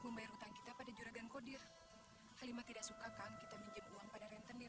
membayar utang kita pada juragan kodir kalimat tidak suka kan kita minjem uang pada rentenir